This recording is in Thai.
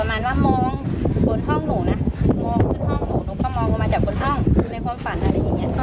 บนห้องหนูนะหนูขึ้นห้องหนูหนูก็มองมาจากบนห้องในความฝันอะไรอย่างเงี้ย